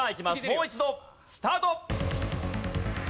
もう一度スタート！